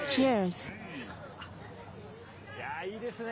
いやぁ、いいですね。